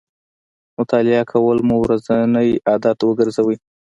مطالعه کول مو ورځنی عادت وګرځوئ